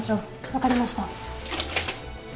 分かりました。